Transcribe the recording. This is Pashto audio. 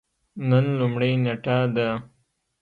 نن لومړۍ نیټه ده